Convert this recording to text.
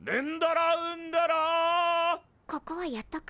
ここはやっとく？